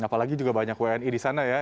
apalagi juga banyak wni di sana ya